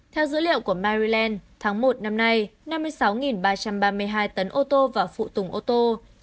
theo dữ liệu của maryland tháng một năm nay năm mươi sáu ba trăm ba mươi hai tấn ô tô và phụ tùng ô tô